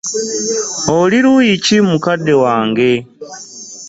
Oli luuyi ki mukadde wange?